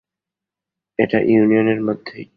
এটা ইউনিয়ন এর মধ্যেই!